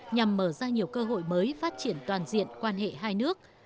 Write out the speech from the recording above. nhằm mở ra nhiều cơ hội mới phát triển toàn diện quan hệ hai nước